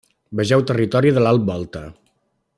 Vegeu Territori de l'Alt Volta.